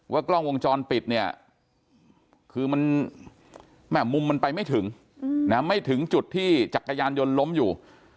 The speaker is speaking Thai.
กล้องวงจรปิดเนี่ยคือมันมุมมันไปไม่ถึงไม่ถึงจุดที่จักรยานยนต์ล้มอยู่